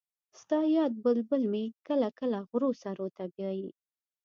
ستا یاد بلبل مې کله کله غرو سرو ته بیايي